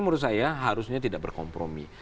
menurut saya harusnya tidak berkompromi